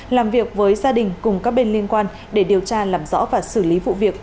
làm việc với gia đình cùng các bên liên quan để điều tra làm rõ và xử lý vụ việc